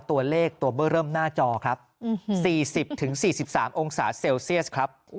ตัวเลขตัวเบอร์เริ่มหน้าจอครับ๔๐๔๓องศาเซลเซียสครับ